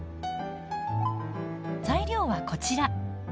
材料はこちら。